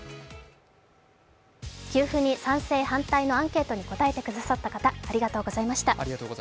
給付に賛成、反対のアンケートに答えてくださった方、ありがとうございました。